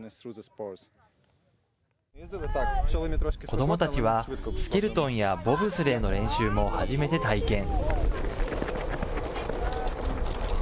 子どもたちは、スケルトンやボブスレーの練習も初めて体験。